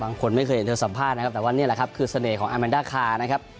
ไม่เคยเห็นเธอสัมภาษณ์นะครับแต่ว่านี่แหละครับคือเสน่ห์ของอาแมนด้าคานะครับ